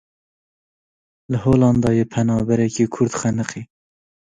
Li Holandayê penaberekî Kurd xeniqî.